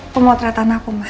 pemotretan aku mah